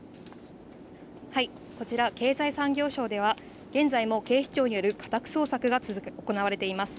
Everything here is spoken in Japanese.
こちら、経済産業省では、現在も警視庁による家宅捜索が行われています。